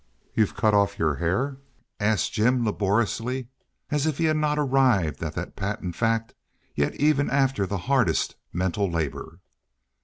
"You've cut off your hair?" asked Jim, laboriously, as if he had not arrived at that patent fact yet even after the hardest mental labor.